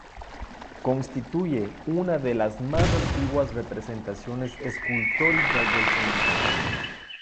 Constituye una de las más antiguas representaciones escultóricas del cementerio.